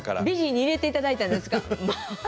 美人に入れていただいたんですか？